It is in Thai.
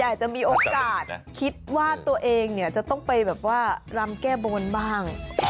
อาจจะมีโอกาสคิดว่าตัวเองเนี่ยจะต้องไปแบบว่ารำแก้บนบ้าง